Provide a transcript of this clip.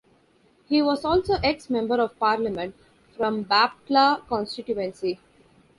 He was also Ex-Member of Parliament from Bapatla constituency.